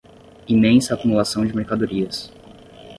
imensa acumulação de mercadorias